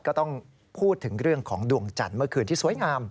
ก็ต้องพูดถึงเรื่องของดวงจันทร์เมื่อคืนที่สวยงาม